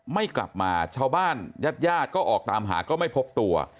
ไม่กลับมาชาวบ้านญาติญาติก็ออกตามหาก็ไม่พบตัว